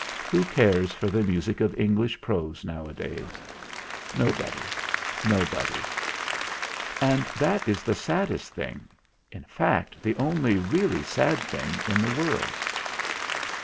Who cares for the music 98 THE FLINT HEART of English prose nowadays? Nobody no body. And that is the saddest thing in fact, the only really sad thing in the world."